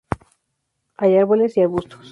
Hay árboles y arbustos.